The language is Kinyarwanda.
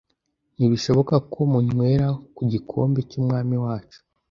Ntibishoboka ko munywera ku gikombe cy'Umwami wacu,